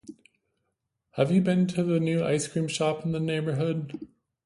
Have you been to the new ice cream shop in neighborhood?